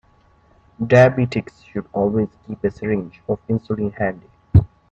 Diabetics should always keep a syringe of insulin handy.